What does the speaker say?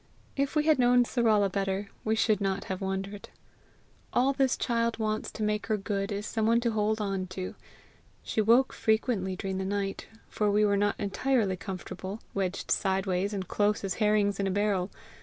If we had known Sarala better we should not have wondered. All this child wants to make her good is someone to hold on to. She woke frequently during the night, for we were not entirely comfortable, wedged sideways and close as herrings in a barrel.